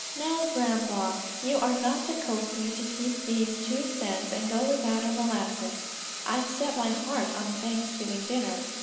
"Now, grandpa, you are not to coax me to keep these two cents and go without our molasses. I've set my heart on a Thanksgiving dinner.